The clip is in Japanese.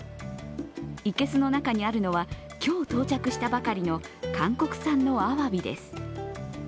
生けすの中にあるのは今日、到着したばかりの韓国産のあわびです。